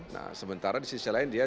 nah sementara di sisi lain dia